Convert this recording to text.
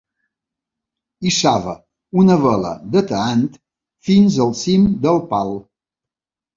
Hissava una vela de tallant fins al cim del pal.